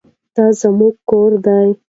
دا زموږ کور دی.